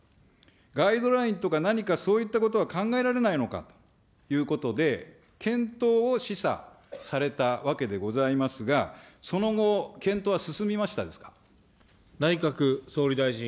ガイドラインとか、何かそういったことは考えられないのかということで、検討を示唆されたわけでございますが、その後、検討は進みましたですか。